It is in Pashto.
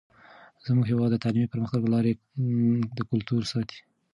زموږ هیواد د تعلیمي پرمختګ له لارې د کلتور ساتئ.